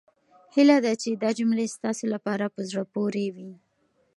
هيله ده چې دا جملې ستاسو لپاره په زړه پورې وي.